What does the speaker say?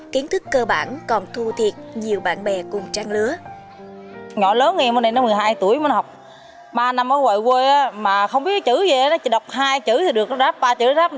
kiến thức cơ bản còn thu thiệt nhiều bạn bè cùng trang lứa